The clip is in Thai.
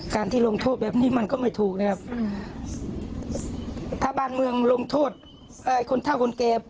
การที่ลงโทษแบบนี้มันก็ไม่ถูกนะครับถ้าบ้านเมืองลงโทษเอ่อคนเท่าคนแก่